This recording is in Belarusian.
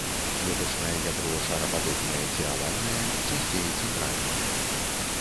Клетачнае ядро шарападобнае ці авальнае, часцей цэнтральнае.